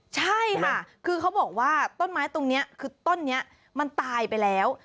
ใช่ค่ะคือเขาบอกว่าต้นไม้ตรงนี้คือต้นนี้มันตายไปแล้ว